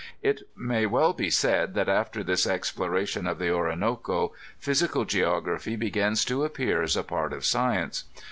It may well be said that after this exploration of the Orinoco, physical geog raphy begins to appear as a part of science.